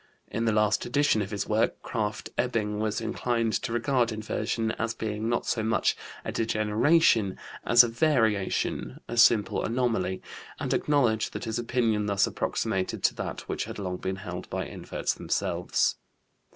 In the last edition of his work Krafft Ebing was inclined to regard inversion as being not so much a degeneration as a variation, a simple anomaly, and acknowledged that his opinion thus approximated to that which had long been held by inverts themselves.